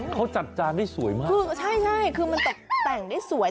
เขาจัดจานได้สวยมากคือใช่ใช่คือมันตกแต่งได้สวย